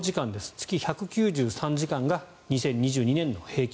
月１９３時間が２０２２年度平均。